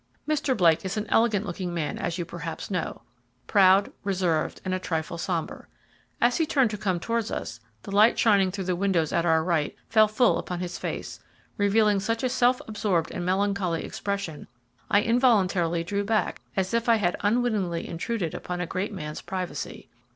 Mr. Blake is an elegant looking man as you perhaps know; proud, reserved, and a trifle sombre. As he turned to come towards us, the light shining through the windows at our right, fell full upon his face, revealing such a self absorbed and melancholy expression, I involuntarily drew back as if I had unwittingly intruded upon a great man's privacy.